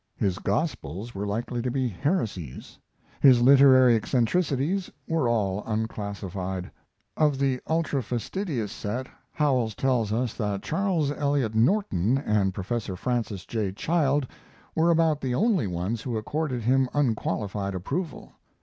His gospels were likely to be heresies; his literary eccentricities were all unclassified. Of the ultrafastidious set Howells tells us that Charles Eliot Norton and Prof. Francis J. Child were about the only ones who accorded him unqualified approval.